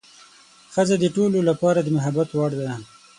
ښځه د ټولو لپاره د محبت وړ ده.